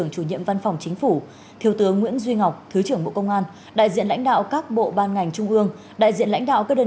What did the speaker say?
chủ tịch hồ chí minh